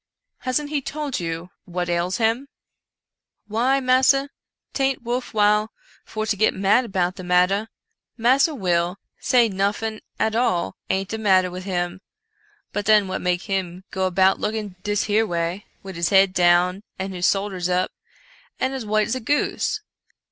Hasn't he told you what ails him ?"" Why, massa, 'taint worf while for to git mad about de matter — Massa Will say noffin at all aint de matter wid him — but den what make him go about looking dis here way, wid he head down and he soldiers up, and as white as a goose